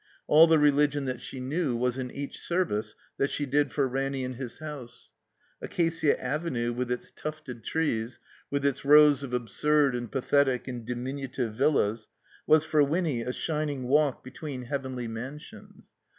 All the religion that she knew was in each service that she did for Ranny in his house. Acacia Avenue, with its tufted trees, with its rows of absurd and pathetic and diminutive villas, was for Winny a shining walk between heaven ly mansions.